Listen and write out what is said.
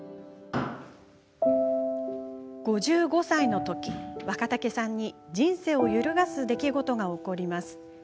５５歳のとき若竹さんに人生を揺るがす出来事が起こります。